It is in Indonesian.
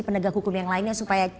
penegak hukum yang lainnya supaya